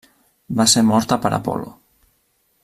Va ser morta per Apol·lo.